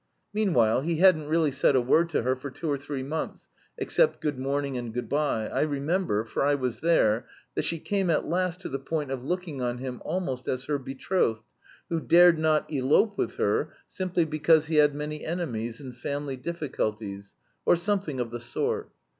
Meanwhile, he hadn't really said a word to her for two or three months, except 'good morning' and 'good bye.' I remember, for I was there, that she came at last to the point of looking on him almost as her betrothed who dared not 'elope with her,' simply because he had many enemies and family difficulties, or something of the sort.